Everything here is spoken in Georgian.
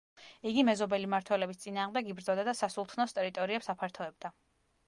იგი მეზობელი მმართველების წინააღმდეგ იბრძოდა და სასულთნოს ტერიტორიებს აფართოებდა.